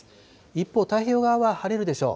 一方、太平洋側は晴れるでしょう。